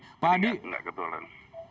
tidak tidak ke toilet